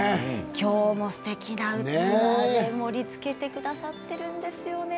今日もすてきな器で盛りつけてくださっているんですよね。